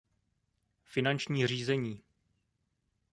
Finanční řízení.